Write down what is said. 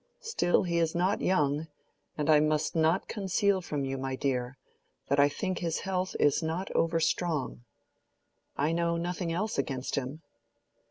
Still he is not young, and I must not conceal from you, my dear, that I think his health is not over strong. I know nothing else against him."